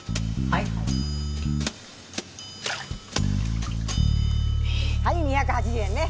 はい２８０円ね。